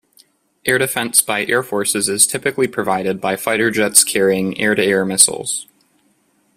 Air defence by air forces is typically provided by fighter jets carrying air-to-air missiles.